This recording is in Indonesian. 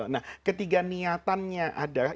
nah ketiga niatannya adalah